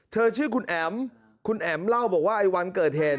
ชื่อคุณแอ๋มคุณแอ๋มเล่าบอกว่าไอ้วันเกิดเหตุ